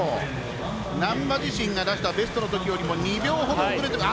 難波自身が出したベストのときよりも２秒ほど遅れて。